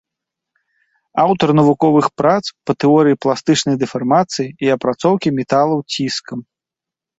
Аўтар навуковых прац па тэорыі пластычнай дэфармацыі і апрацоўкі металаў ціскам.